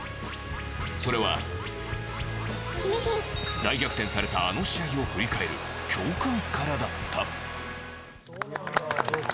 それは、大逆転されたあの試合を振り返る教訓からだった。